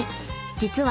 実は。